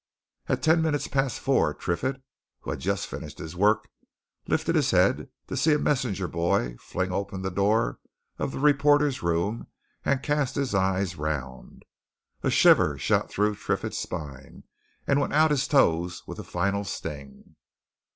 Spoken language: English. At ten minutes past four Triffitt, who had just finished his work, lifted his head to see a messenger boy fling open the door of the reporter's room and cast his eyes round. A shiver shot through Triffitt's spine and went out of his toes with a final sting.